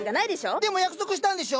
でも約束したんでしょ？